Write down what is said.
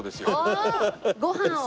ご飯を。